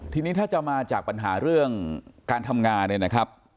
ทีนี้ถ้าจะมาจากปัญหาเรื่องการทำงานเนี่ยนะครับ